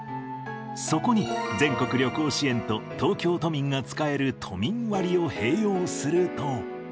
そこに、全国旅行支援と、東京都民が使える都民割を併用すると。